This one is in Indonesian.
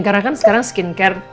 karena kan sekarang skincare